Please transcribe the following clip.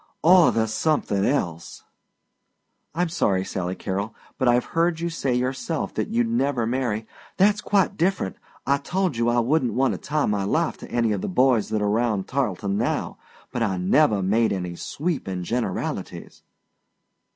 "Or the somethin' else." "I'm sorry Sally Carrol, but I've heard you say yourself that you'd never marry " "That's quite different. I told you I wouldn't want to tie my life to any of the boys that are round Tarleton now, but I never made any sweepin' generalities."